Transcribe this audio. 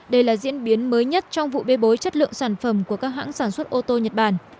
đây là diễn biến mới nhất trong vụ bê bối chất lượng sản phẩm của các hãng sản xuất ô tô nhật bản